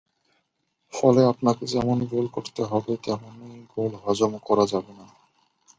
ফলে আপনাকে যেমন গোল করতে হবে, তেমনি গোল হজমও করা যাবে না।